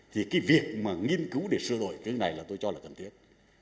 thì cái việc nghiên cứu để sửa đổi thứ này là tôi cho là cần thiết